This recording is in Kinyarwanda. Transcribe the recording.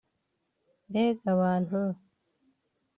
Mbega abantu